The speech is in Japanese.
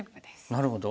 なるほど。